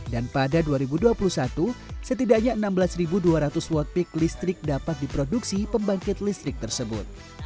dan pada dua ribu dua puluh satu setidaknya enam belas dua ratus watt peak listrik dapat diproduksi pembangkit listrik tersebut